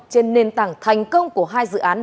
trên nền tảng thành công của hai dự án